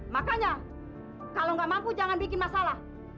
makanya kalau nggak mampu jangan bikin masalah